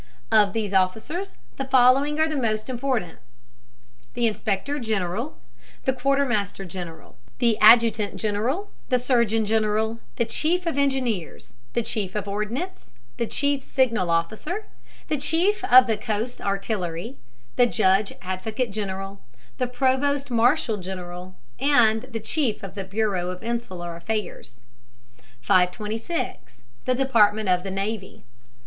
Of these officers the following are the more important: the inspector general, the quartermaster general, the adjutant general, the surgeon general, the chief of engineers, the chief of ordnance, the chief signal officer, the chief of the coast artillery, the judge advocate general, the provost marshal general, and the chief of the bureau of insular affairs. 526. THE DEPARTMENT OF THE NAVY.